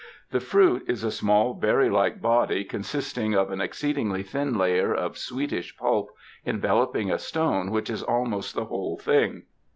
The fruit is a small berry like body con sisting of an exceedingly thin layer of sweetish pulp enveloping a stone that is almost the whole thing.